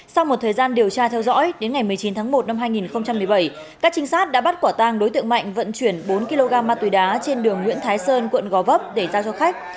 sau một thời gian điều tra theo dõi đến ngày một mươi chín tháng một năm hai nghìn một mươi bảy các trinh sát đã bắt quả tang đối tượng mạnh vận chuyển bốn kg ma túy đá trên đường nguyễn thái sơn quận gò vấp để giao cho khách